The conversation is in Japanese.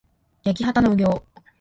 やきはたのうぎょう